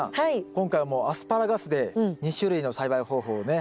今回はもうアスパラガスで２種類の栽培方法をね